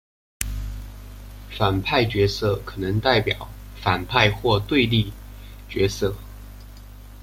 反派角色可能代表反派或对立角色。